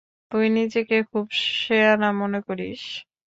তুই নিজেকে খুন সেয়ানা মনে করিস।